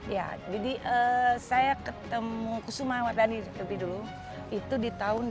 ya jadi saya ketemu suma handayani lebih dulu itu di tahun seribu sembilan ratus delapan puluh tiga